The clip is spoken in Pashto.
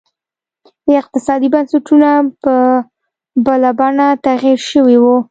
اقتصادي بنسټونه په بله بڼه تغیر شوي وو.